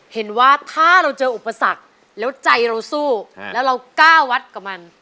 เห็นว่าถ้าเราเจออุปสรรคแล้วใจเราสู้แล้วเรากล้าวัดกับมัน